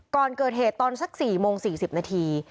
ก่อนเกิดเหตุตอนสัก๔โมง๔๐นาที